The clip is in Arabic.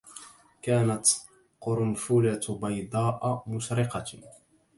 كانت قرنفلة بيضاء مشرقة